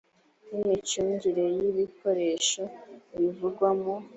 n imicungire y ibikoresho bivugwa mu